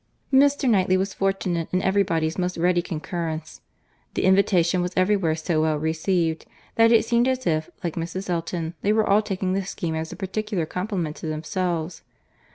Mr. Knightley was fortunate in every body's most ready concurrence. The invitation was everywhere so well received, that it seemed as if, like Mrs. Elton, they were all taking the scheme as a particular compliment to themselves.